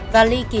và ly ký